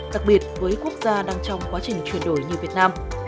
đặc biệt với quốc gia đang trong quá trình chuyển đổi như việt nam